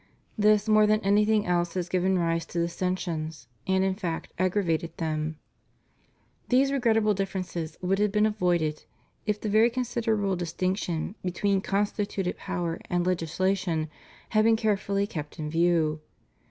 This, more than anything else, has given rise to dissensions, and in fact aggravated them. ... These regrettable differences would have been avoided if the very considerable distinction between con stituted power and legislation had been carefully kept in view.